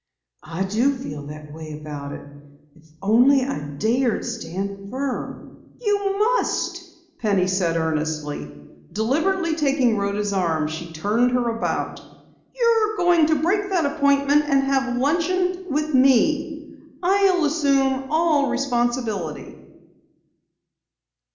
"I do feel that way about it. If only I dared stand firm " "You must," Penny said earnestly. Deliberately taking Rhoda's arm she turned her about. "You're to break that appointment and have luncheon with me. I'll assume all the responsibility."